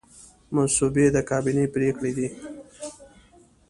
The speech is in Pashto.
مصوبې د کابینې پریکړې دي